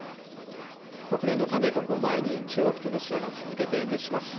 国連の加盟国を前に中国とロシアが続けて演説します。